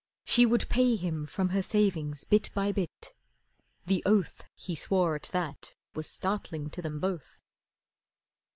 She would pay Him from her savings bit by bit the oath He swore at that was startling to them both.